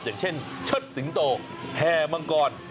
อย่างเช่นเชิดสิงตัวแฮมังกอล